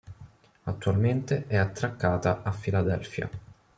Attualmente è attraccata a Filadelfia.